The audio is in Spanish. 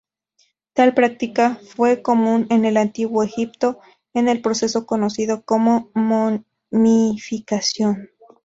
Tal práctica fue común en el Antiguo Egipto, en el proceso conocido como momificación.